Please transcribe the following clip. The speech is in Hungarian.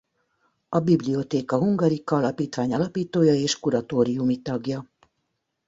A Bibliotheca Hungarica Alapítvány alapítója és kuratóriumi tagja.